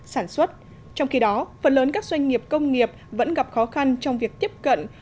sản xuất trong khi đó phần lớn các doanh nghiệp công nghiệp vẫn gặp khó khăn trong việc tiếp cận